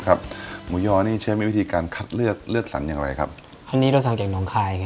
หมูยอนี่ใช้วิธีการคัดเลือกเลือกสรรอย่างไรครับอันนี้เราสั่งจากน้องคาย